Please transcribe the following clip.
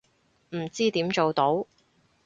唔知點做到